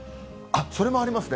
それもありますね。